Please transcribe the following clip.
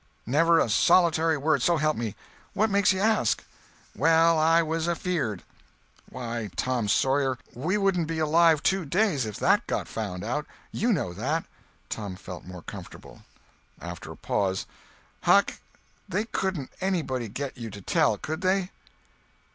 "Never a solitary word, so help me. What makes you ask?" "Well, I was afeard." "Why, Tom Sawyer, we wouldn't be alive two days if that got found out. You know that." Tom felt more comfortable. After a pause: "Huck, they couldn't anybody get you to tell, could they?"